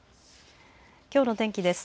きょうの天気です。